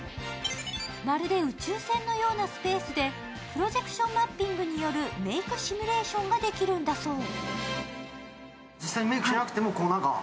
まるで宇宙船のようなスペースでプロジェクションマッピングによるメイクシミュレーションができるんだそう。